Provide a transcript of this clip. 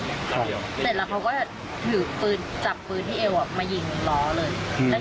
เสร็จแล้วเขาก็ถือปืนจับปืนที่เอวมายิงล้อเลย